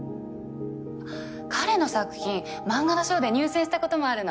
あっ彼の作品漫画の賞で入選したこともあるの。